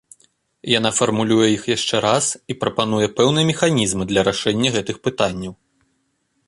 Яна фармулюе іх яшчэ раз і прапануе пэўныя механізмы для рашэння гэтых пытанняў.